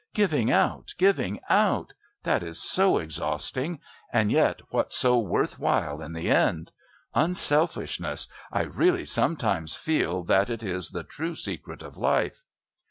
Giving out! Giving out! What is so exhausting, and yet what so worth while in the end? Unselfishness! I really sometimes feel that is the true secret of life."